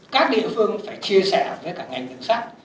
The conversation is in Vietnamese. các địa phương phải chia sẻ với cả ngành đường sắt